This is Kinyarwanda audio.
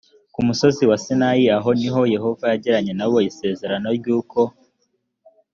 ku musozi wa sinayi aho ni ho yehova yagiranye na bo isezerano ry uko